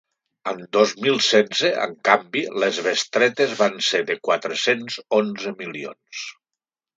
En dos mil setze, en canvi, les bestretes van ser de quatre-cents onze milions.